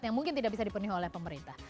yang mungkin tidak bisa dipenuhi oleh pemerintah